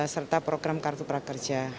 serta program kartu prakerja